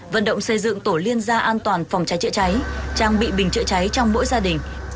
vận động xây dựng tổ liên gia an toàn phòng cháy chữa cháy trang bị bình chữa cháy trong mỗi gia đình